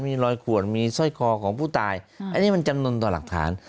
มีรอยขวนมีสร้อยคอของผู้ตายอันนี้มันจำนวนต่อหลักฐาน